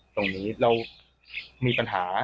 ตรงนี้เรามีปัญหา